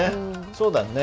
そうだね。